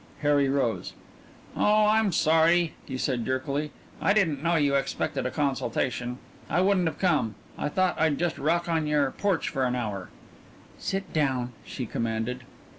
Harry rose. "Oh, I'm sorry," he said jerkily. "I didn't know you expected a consultation. I wouldn't have come. I thought I'd just rock on your porch for an hour " "Sit down," she commanded.